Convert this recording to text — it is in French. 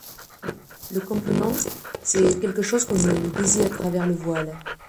Le compliment, c'est quelque chose comme le baiser à travers le voile.